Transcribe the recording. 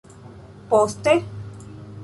Poste?